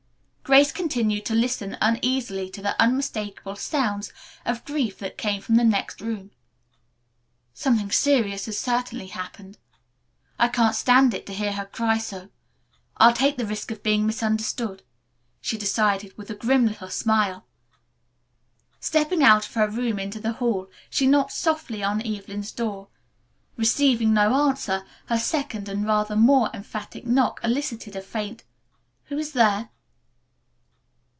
Grace continued to listen uneasily to the unmistakable sounds of grief that came from the next room. "Something serious has certainly happened. I can't stand it to hear her cry so. I'll take the risk of being misunderstood," she decided with a grim little smile. Stepping out of her room into the hall she knocked softly on Evelyn's door, receiving no answer. Her second and rather more emphatic knock elicited a faint, "Who is there?"